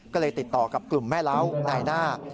ก็เลยติดต่อกับกลุ่มแม่เล้านายหน้า